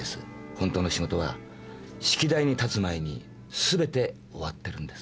本当の仕事は指揮台に立つ前にすべて終わってるんです。